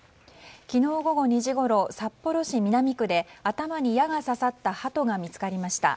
昨日午後２時ごろ札幌市南区で頭に矢が刺さったハトが見つかりました。